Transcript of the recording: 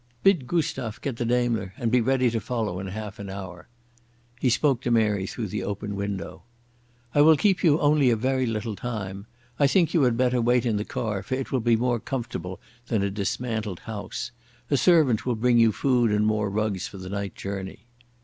"Bid Gustav get the Daimler and be ready to follow in half in hour." He spoke to Mary through the open window. "I will keep you only a very little time. I think you had better wait in the car, for it will be more comfortable than a dismantled house. A servant will bring you food and more rugs for the night journey."